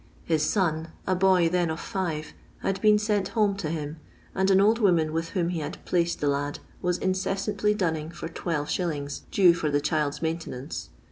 His son, a boy then of five, had been sent home to him, and an old woman with whom he had placed the lad was incessantly dunning for \2i, due f «r the child's maintenance.